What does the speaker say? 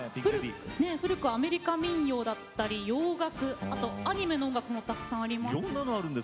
古くはアメリカ民謡だったり洋楽アニメの音楽もたくさんあります。